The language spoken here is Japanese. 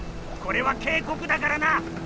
これは警告だからな！